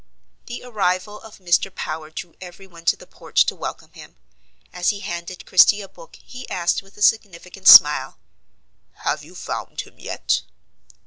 The arrival of Mr. Power drew every one to the porch to welcome him. As he handed Christie a book, he asked with a significant smile: "Have you found him yet?"